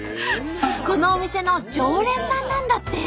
このお店の常連さんなんだって。